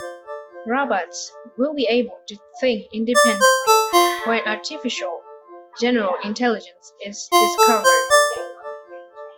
Robots will be able to think independently when Artificial General Intelligence is discovered.